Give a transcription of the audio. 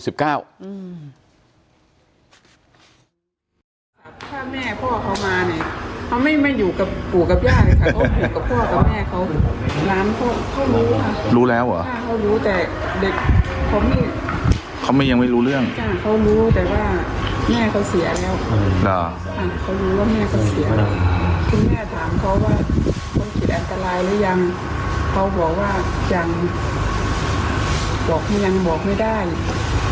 คุณแม่ถามเขาว่าโควิด๑๙อันตรายหรือยังเขาบอกว่าอย่างบอกไม่ได้